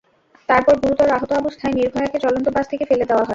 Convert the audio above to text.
তারপর গুরুতর আহত অবস্থায় নির্ভয়াকে চলন্ত বাস থেকে ফেলে দেওয়া হয়।